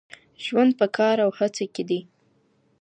ژوند په کار او هڅه کي دی.